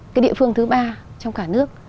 cái địa phương thứ ba trong cả nước